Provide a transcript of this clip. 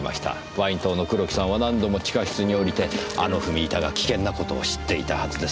ワイン党の黒木さんは何度も地下室に下りてあの踏み板が危険なことを知っていたはずです。